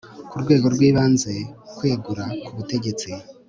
ku rwego rw ibanze kwegura kubutegetsi